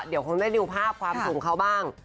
เดี๋ยวคงได้ดูภาพความสูงเขาบ้าง